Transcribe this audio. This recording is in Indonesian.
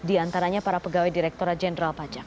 diantaranya para pegawai direktura jenderal pajak